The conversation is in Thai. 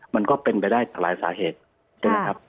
มันก็เป็นไปได้หลายสาเหตุใช่ไหมครับ